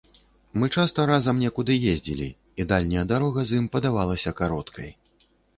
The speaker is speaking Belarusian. Мы часта разам некуды ездзілі, і дальняя дарога з ім падавалася кароткай.